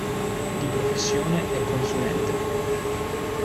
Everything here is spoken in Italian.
Di professione è consulente.